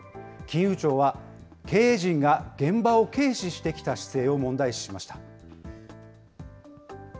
金融庁は、経営陣が現場を軽視してきた姿勢を問題視しました。